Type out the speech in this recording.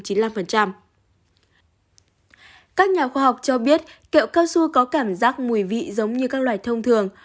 các nhà khoa học cho biết kẹo cao su có cảm giác mùi vị giống như các loài thông thường